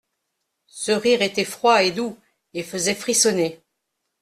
Ce rire était froid et doux, et faisait frissonner.